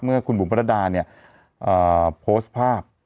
เมื่อคุณบุ๋มพระรดาโพสต์ภาพ